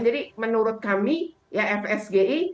jadi menurut kami ya fsgi